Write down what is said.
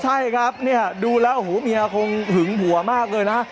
ใช่ครับเนี่ยดูแล้วโอ้โหเมียคงหึงผัวมากเลยนะ